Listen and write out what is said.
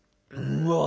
うわ！